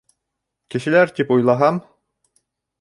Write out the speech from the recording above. — Кешелер тип уйлаһам...